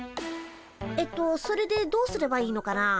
えっとそれでどうすればいいのかな？